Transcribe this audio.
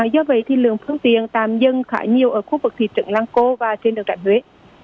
do vậy thì lượng phương tiện tàm dân khá nhiều ở khu vực thị trận lăng cô và trên đường đạp huế